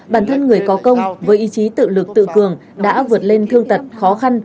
bản thân người có công với ý chí tự lực tự cường đã vượt lên thương tật khó khăn